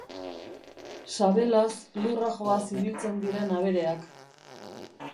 Sabelaz lurra joaz ibiltzen diren abereak.